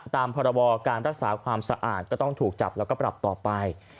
พรบการรักษาความสะอาดก็ต้องถูกจับแล้วก็ปรับต่อไป